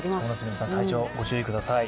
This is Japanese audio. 皆さん、体調、ご注意ください。